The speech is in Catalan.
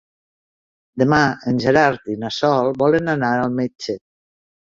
Demà en Gerard i na Sol volen anar al metge.